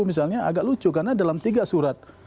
misalnya agak lucu karena dalam tiga surat